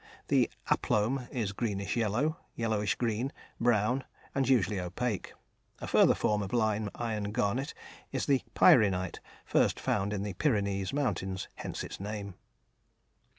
The "aplome" is greenish yellow, yellowish green, brown, and usually opaque. A further form of lime iron garnet is the "pyreneite," first found in the Pyrenees Mountains, hence its name.